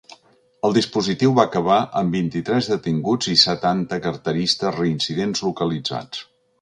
El dispositiu va acabar amb vint-i-tres detinguts i setanta carteristes reincidents localitzats.